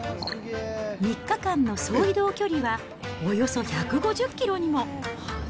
３日間の総移動距離はおよそ１５０キロにも。